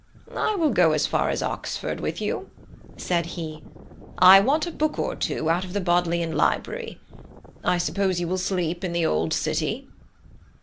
"I will go as far as Oxford with you," said he; "I want a book or two out of the Bodleian Library. I suppose you will sleep in the old city?"